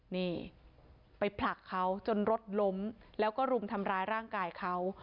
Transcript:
นี่ไปผลักเขาจนรถล้มแล้วก็รุมทำร้ายร่างกายเขา